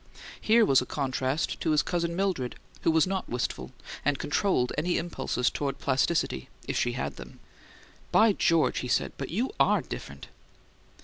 Here was a contrast to his cousin Mildred, who was not wistful, and controlled any impulses toward plasticity, if she had them. "By George!" he said. "But you ARE different!"